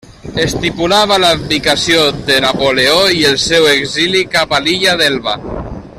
Estipulava l'abdicació de Napoleó i el seu exili cap a l'Illa d'Elba.